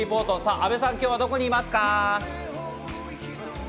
阿部さん、今日はどこにいますか？